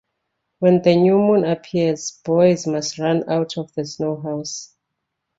Whhen the new moon appears, boys must run out of the snowhouse.